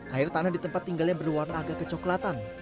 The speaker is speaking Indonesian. air tanah di tempat tinggalnya berwarna agak kecoklatan